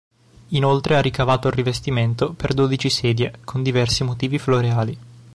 Inoltre ha ricamato il rivestimento per dodici sedie con diversi motivi floreali.